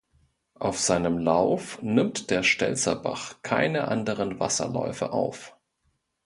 Auf seinem Lauf nimmt der Stelzerbach keine anderen Wasserläufe auf.